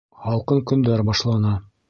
Һалҡын көндәр башлана.